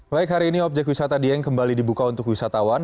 baik hari ini objek wisata dieng kembali dibuka untuk wisatawan